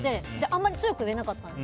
あんまり強く言えなかったの。